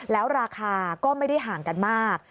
แล้วราคาก็ไม่ได้ห่างกันมาก